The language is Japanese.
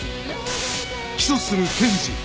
起訴する検事